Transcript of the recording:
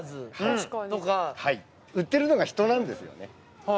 はい売ってるのが人なんですよね